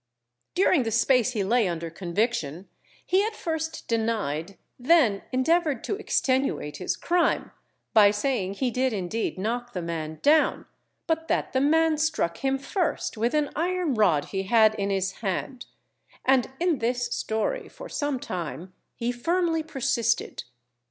During the space he lay under conviction, he at first denied, then endeavoured to extenuate his crime, by saying he did indeed knock the man down, but that the man struck him first with an iron rod he had in his hand; and in this story for some time he firmly persisted.